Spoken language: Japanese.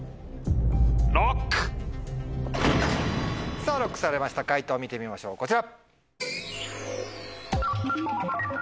さぁＬＯＣＫされました解答見てみましょうこちら。